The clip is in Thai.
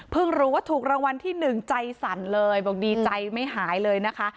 รู้ว่าถูกรางวัลที่หนึ่งใจสั่นเลยบอกดีใจไม่หายเลยนะคะ